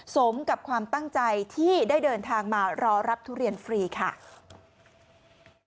สมกับความตั้งใจที่ได้เดินทางมารอรับทุเรียนฟรีค่ะ